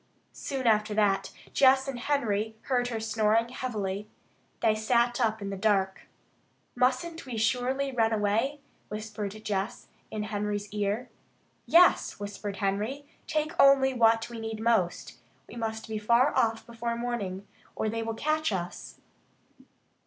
Soon after that Jess and Henry heard her snoring heavily. They sat up in the dark. "Mustn't we surely run away?" whispered Jess in Henry's ear. "Yes!" whispered Henry. "Take only what we need most. We must be far off before morning, or they will catch us."